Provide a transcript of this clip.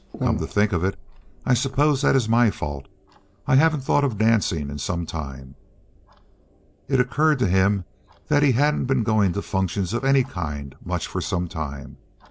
Come to think of it, I suppose that is my fault. I haven't thought of dancing in some time." It occurred to him that he hadn't been going to functions of any kind much for some time.